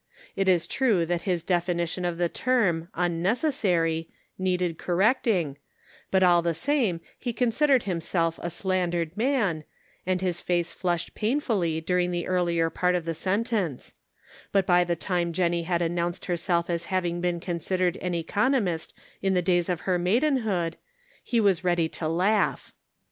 It is true that his definition of the term " unnecessary " needed correcting, but all the same he considered him self a slandered man, and his face flushed painfully during the earlier part of the sen tence ; but by the time Jennie had announced herself as having been considered an economist in the days of her maidenhood, he was ready to laugh.